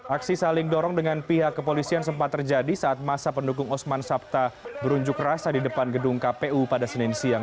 aksi saling dorong dengan pihak kepolisian sempat terjadi saat masa pendukung osman sabta berunjuk rasa di depan gedung kpu pada senin siang